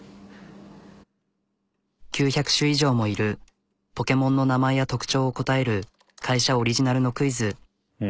９００種以上もいるポケモンの名前や特徴を答える会社オリジナルのクイズ。